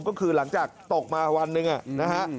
ก็คือหลังจากตกมาวันหนึ่งนะฮะ